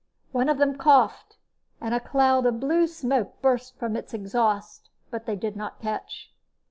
One of them coughed, and a cloud of blue smoke burst from its exhaust, but they did not catch.